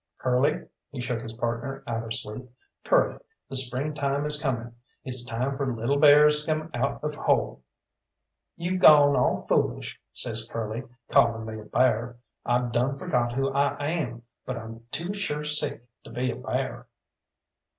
"Curly," he shook his partner out of sleep. "Curly, the spring time is coming it's time for little bears to come out of hole." "Yo' gawn all foolish," says Curly, "callin' me a bear. I done forget who I am, but I'm too sure sick to be a bear."